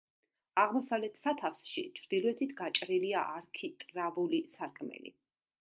აღმოსავლეთ სათავსში, ჩრდილოეთით გაჭრილია არქიტრავული სარკმელი.